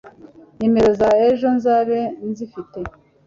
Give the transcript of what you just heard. nimero ze ejo nzabe nzifite